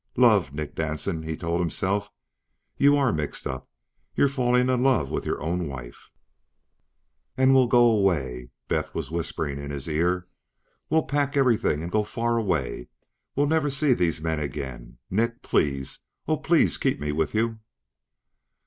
Love. Nick Danson, he told himself, you are mixed up. You're falling in love with your own wife. "... and we'll go away," Beth was whispering in his ear. "We'll pack everything and go far away, where we'll never see these men again. Nick. Please. Oh, please keep me with you."